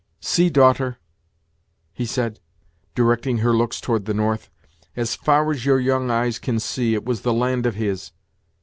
"See, daughter," he said, directing her looks toward the north; "as far as your young eyes can see, it was the land of his.